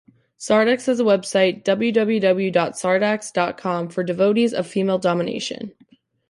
Sardax has a website, www dot sardax dot com, for devotees of female domination.